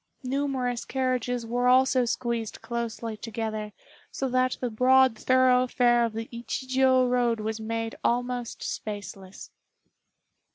Numerous carriages were also squeezed closely together, so that the broad thoroughfare of the Ichijiô road was made almost spaceless.